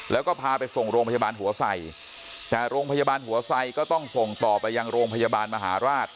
แล้วก็พาไปส่งโรงพยาบาลหัวไสแต่โรงพยาบาลหัวไสก็ต้องส่งต่อไปยังโรงพยาบาลมหาราช